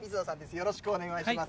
よろしくお願いします。